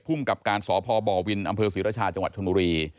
ผู้มกับการสอพบ่อวินอำเภอศรีรชาจังหวัดธนุรี